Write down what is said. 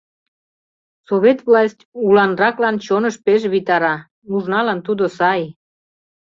Совет власть уланраклан чоныш пеш витара, нужналан тудо сай...